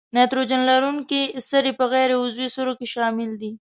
نایتروجن لرونکي سرې په غیر عضوي سرو کې شامل دي.